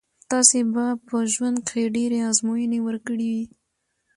تاسي به په ژوند کښي ډېري آزمویني ورکړي يي.